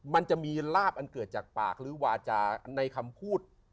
มันจะมีลาบอันเกิดจากปากหรือวาจาในคำพูด